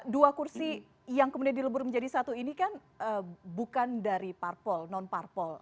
dua kursi yang kemudian dilebur menjadi satu ini kan bukan dari parpol non parpol